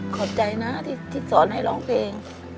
ขอบใจนะที่สอนให้ร้องเพลง